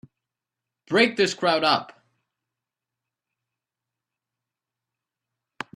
Break this crowd up!